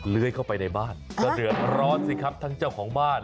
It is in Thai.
เลื้อยเข้าไปในบ้านก็เดือดร้อนสิครับทั้งเจ้าของบ้าน